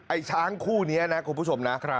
ไอ้ช้างคู่นี้นะคุณผู้ชมนะ